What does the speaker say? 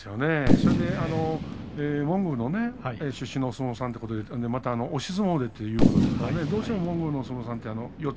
それでモンゴルの出身のお相撲さんということでまた押し相撲でということですからどうしてもモンゴルのお相撲さんは四つ